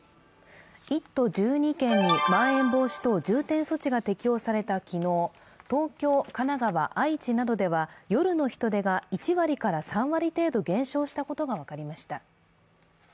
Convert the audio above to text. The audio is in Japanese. １都１２県にまん延防止等重点措置が適用された昨日、東京、神奈川、愛知などでは夜の人出が１割から３割程度減少したことが分かりました。